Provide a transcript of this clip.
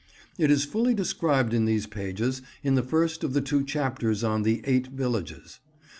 It is fully described in these pages, in the first of the two chapters on the "Eight Villages."